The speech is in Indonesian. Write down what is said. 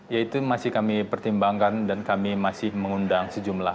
ya itu masih kami pertimbangkan dan kami masih mengundang sejumlah